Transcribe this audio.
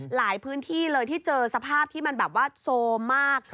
หลายพื้นที่เลยที่เจอสภาพที่มันแบบว่าโซมมาก